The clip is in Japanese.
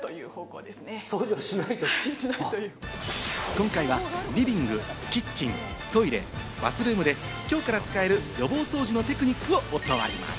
今回はリビング、キッチン、トイレ、バスルームできょうから使える予防掃除のテクニックを教わります。